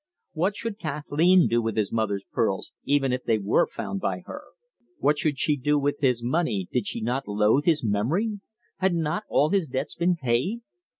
What should Kathleen do with his mother's pearls, even if they were found by her? What should she do with his money did she not loathe his memory? Had not all his debts been paid?